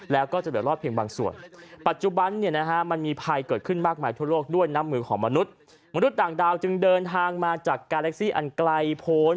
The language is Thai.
แล้วก็จะเดินรอดเพียงบางส่วน